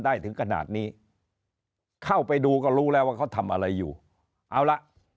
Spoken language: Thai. ถึงขนาดนี้เข้าไปดูก็รู้แล้วว่าเขาทำอะไรอยู่เอาละ